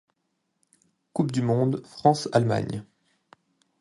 Coupe du Monde France - Allemagne.